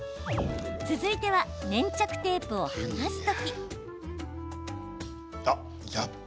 続いては、粘着テープを剥がす時。